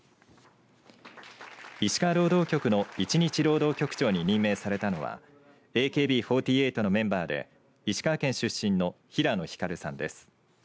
石川労働局の１日労働局長に任命されたのはＡＫＢ４８のメンバーで石川県出身の平野ひかるさんです。